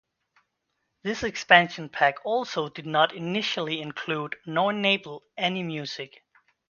This expansion pack also did not initially include nor enable any music.